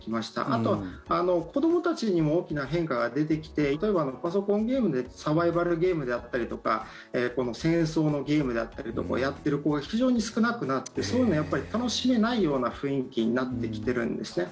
あと、子どもたちにも大きな変化が出てきて例えば、パソコンゲームでサバイバルゲームであったりとか戦争のゲームをやっている子が非常に少なくなってそういうのは楽しめないような雰囲気になってきてるんですね。